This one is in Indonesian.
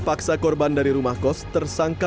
paksa korban dari rumah kos tersangka